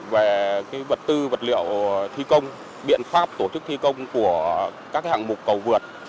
về vật tư vật liệu thi công biện pháp tổ chức thi công của các hạng mục cầu vượt